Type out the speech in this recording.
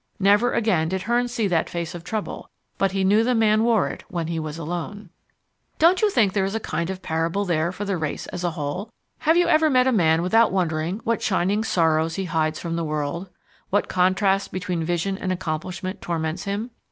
Never again did Hearn see that face of trouble; but he knew the man wore it when he was alone. Don't you think there is a kind of parable there for the race as a whole? Have you ever met a man without wondering what shining sorrows he hides from the world, what contrast between vision and accomplishment torments him?